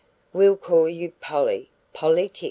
"We'll call you Polly Polly Tix."